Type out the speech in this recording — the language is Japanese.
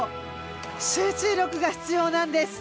集中力が必要なんです。